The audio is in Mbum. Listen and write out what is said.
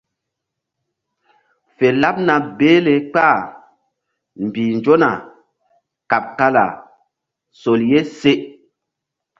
Fe laɓna behle kpah mbih nzona kaɓ kala sol ye se.